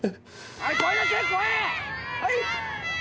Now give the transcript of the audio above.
はい！